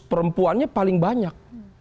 perempuannya paling banyak